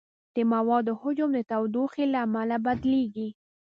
د موادو حجم د تودوخې له امله بدلېږي.